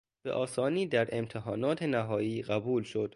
به آسانی در امتحانات نهایی قبول شد.